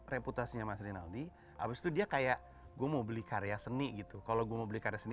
reputasinya mas rinaldi abis itu dia kayak gue mau beli karya seni gitu kalau gue mau beli karya seni